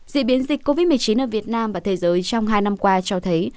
diễn biến dịch covid một mươi chín ở việt nam và thế giới trong hai năm qua cho thấy